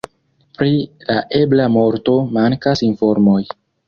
Pri la ebla morto mankas informoj.